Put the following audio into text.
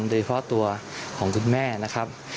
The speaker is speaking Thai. โดยเฉพาะตัวของคุณแม่นะครับ